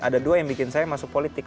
ada dua yang bikin saya masuk politik